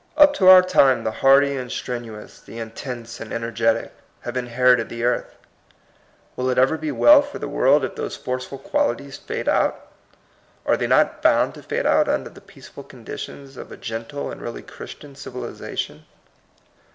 Up to our time the hardy and strenuous, the intense and energetic, have inherited the earth. Will it ever be well for the' world if these forceful qualities fade out? Are they not bound to fade out under the peaceful conditions of a gentle and really Christian civilization